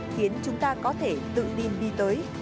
khiến chúng ta có thể tự tin đi tới